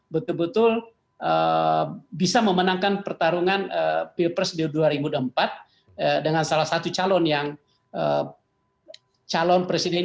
betul betul bisa memenangkan pertarungan pilpres dua ribu dua puluh empat dengan salah satu calon yang calon presiden